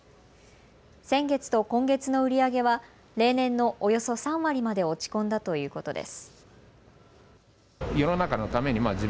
先月と今月の売り上げは例年のおよそ３割まで落ち込んだということです。